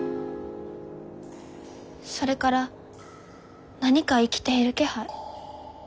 それから何か生きている気配。